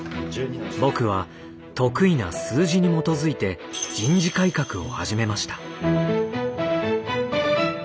僕は得意な数字に基づいて人事改革を始めました。